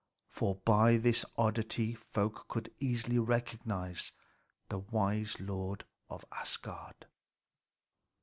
For by this oddity folk could easily recognize the wise lord of Asgard.